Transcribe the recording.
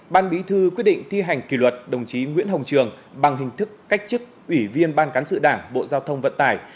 ban bí thư quyết định thi hành kỷ luật đồng chí nguyễn hồng trường bằng hình thức cách chức ủy viên ban cán sự đảng bộ giao thông vận tải